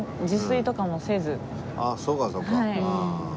あっそうかそうか。